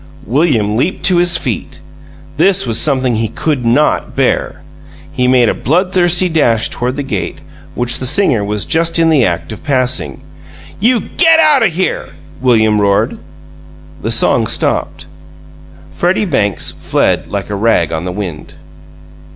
William leaped to his feet; this was something he could NOT bear! He made a bloodthirsty dash toward the gate, which the singer was just in the act of passing. "You GET OUT O' HERE!" William roared. The song stopped. Freddie Banks fled like a rag on the wind.